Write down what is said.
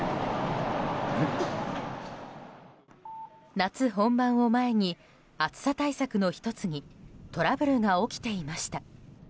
夏本番を前に暑さ対策の１つにトラブルが起きていました。